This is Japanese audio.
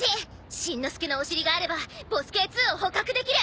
しんのすけのお尻があればボスＫ−２を捕獲できる。